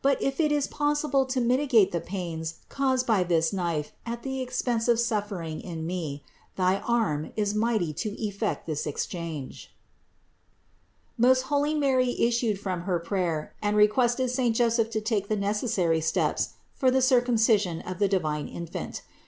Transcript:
But if it is possible to mitigate the pains caused by this knife at the expense of suffering in me, thy arm is mighty to effect this exchange." 520. Most holy Mary issued from her prayer and re quested saint Joseph to take the necessary steps for the Circumcision of the divine Infant.